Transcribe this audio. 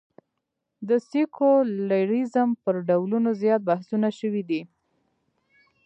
د سیکولریزم پر ډولونو زیات بحثونه شوي دي.